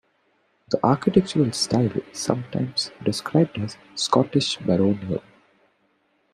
The architectural style is sometimes described as Scottish baronial.